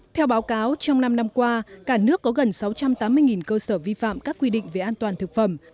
theo báo cáo trong năm năm qua cả nước có gần sáu trăm tám mươi cơ sở vi phạm các quy định về an toàn thực phẩm